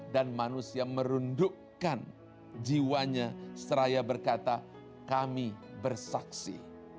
manusia merundukkan jiwanya seraya berkata kami bersaksi